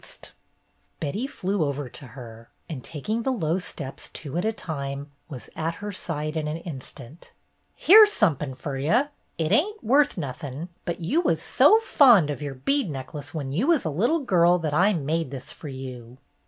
THE TWINE WASH RAG 157 Betty flew over to her, and taking the low steps two at a time, was at her side in an instant. "Here's somepin fer you. It ain't worth nothin', but you was so fond of your bead necklace when you was a little girl, that I made this fer you."